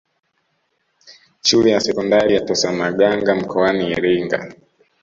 Shule ya sekondari ya Tosamaganga mkoani Iringa